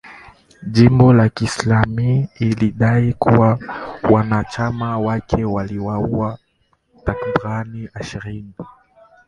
Jimbo la Kiislamu ilidai kuwa wanachama wake waliwauwa takribani ishirini